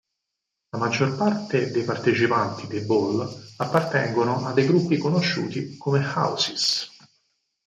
La maggior parte dei partecipanti dei "ball" appartengono a dei gruppi conosciuti come "houses".